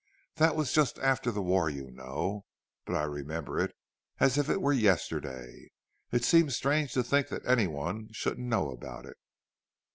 That was just after the war, you know, but I remember it as if it were yesterday. It seems strange to think that anyone shouldn't know about it."